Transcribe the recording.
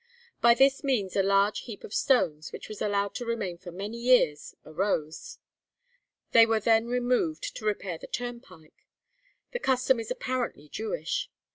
By this means a large heap of stones, which was allowed to remain for many years, arose.' They were then removed to repair the turnpike. This custom is apparently Jewish.